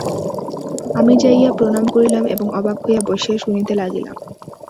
আমি যাইয়া প্রণাম করিলাম এবং অবাক হইয়া বসিয়া শুনিতে লাগিলাম।